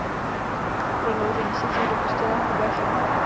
V prodloužení se však dopustila hrubé chyby.